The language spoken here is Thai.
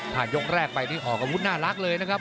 พันยกแรกไปนี่ออกแล้วอุ้นน่ารักเลยนะครับ